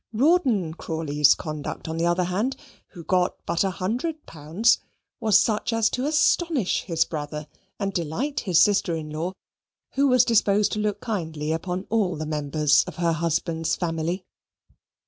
Rawdon Crawley's conduct, on the other hand, who got but a hundred pounds, was such as to astonish his brother and delight his sister in law, who was disposed to look kindly upon all the members of her husband's family.